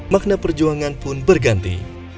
makna perjuangan pun berganti